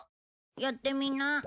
やってみな。